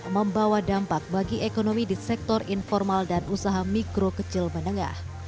membawa dampak bagi ekonomi di sektor informal dan usaha mikro kecil menengah